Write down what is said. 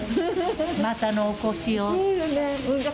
またのお越しを。